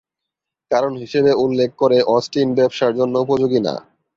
কারণ হিসেবে উল্লেখ করে অস্টিন ব্যবসার জন্য উপযোগী না।